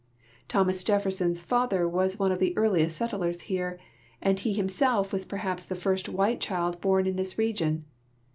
Thomas Jefferson's father was one of the earlie.st settlers here, and he himself was perhaps the first white child horn in this region.